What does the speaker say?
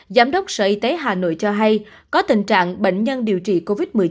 giám đốc sở y tế hà nội cho hay có tình trạng bệnh nhân điều trị covid một mươi chín